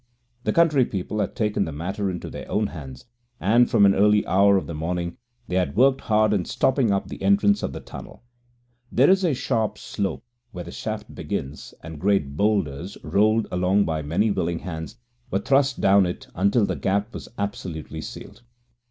The country people had taken the matter into their own hands, and from an early hour of the morning they had worked hard in stopping up the entrance of the tunnel. There is a sharp slope where the shaft begins, and great boulders, rolled along by many willing hands, were thrust down it until the Gap was absolutely sealed.